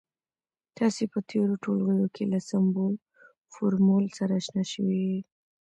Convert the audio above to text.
تاسې په تیرو ټولګیو کې له سمبول، فورمول سره اشنا شوي يئ.